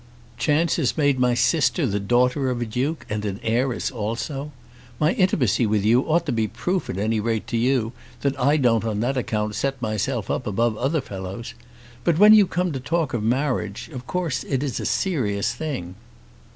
Chance has made my sister the daughter of a Duke, and an heiress also. My intimacy with you ought to be proof at any rate to you that I don't on that account set myself up above other fellows. But when you come to talk of marriage, of course it is a serious thing."